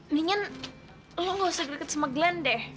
mingguan lo gak usah deket sama glenn deh